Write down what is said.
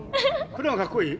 黒がかっこいい？